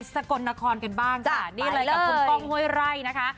สกลนครกันบ้างค่ะนี่เลยกับคุณก้องห้วยไร่นะคะ